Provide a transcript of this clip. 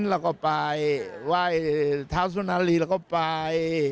เราก็ไปไหว้เท้าสุนารีเราก็ไป